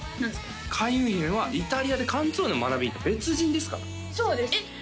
開運姫はイタリアでカンツォーネを学び別人ですからそうですえっ？